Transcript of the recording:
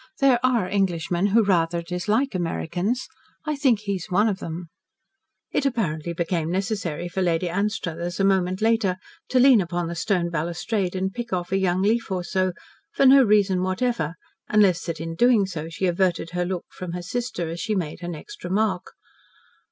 "There are Englishmen who rather dislike Americans. I think he is one of them." It apparently became necessary for Lady Anstruthers, a moment later, to lean upon the stone balustrade and pick off a young leaf or so, for no reason whatever, unless that in doing so she averted her look from her sister as she made her next remark.